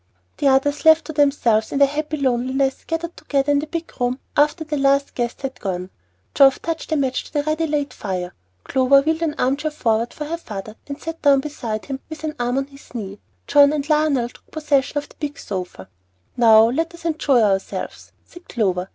The others, left to themselves in their happy loneliness, gathered together in the big room after the last guest had gone. Geoff touched a match to the ready laid fire; Clover wheeled an armchair forward for her father, and sat down beside him with her arm on his knee; John and Lionel took possession of a big sofa. "Now let us enjoy ourselves," said Clover.